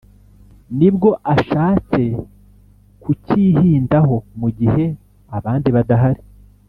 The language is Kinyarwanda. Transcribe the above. ni bwo ashatse kukihindaho mu gihe abandi badahari.